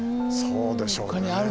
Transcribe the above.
そうでしょうね。